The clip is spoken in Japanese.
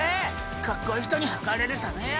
かっこいい人にはかれるためや！